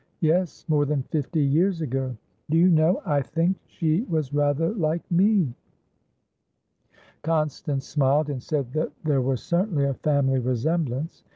"Yes; more than fifty years ago." "Do you know, I think she was rather like me!" Constance smiled, and said that there was certainly a family resemblance.